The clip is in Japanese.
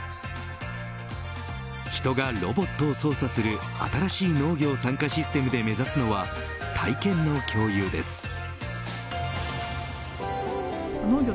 人がロボットを操作する新しい農業参加システムで目指すのは体験の共有です。